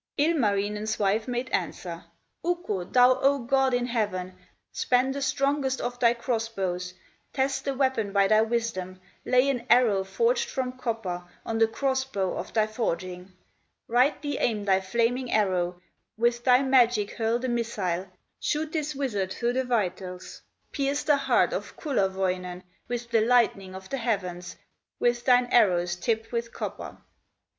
Ilmarinen's wife made answer: "Ukko, thou O God in heaven, Span the strongest of thy cross bows, Test the weapon by thy wisdom, Lay an arrow forged from copper, On the cross bow of thy forging; Rightly aim thy flaming arrow, With thy magic hurl the missile, Shoot this wizard through the vitals, Pierce the heart of Kullerwoinen With the lightning of the heavens, With thine arrows tipped with copper."